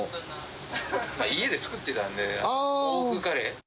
家で作ってたんで、欧風カレー。